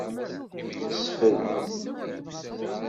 Sfel.